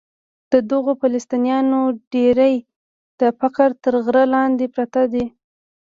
د دغو فلسطینیانو ډېری د فقر تر غره لاندې پراته دي.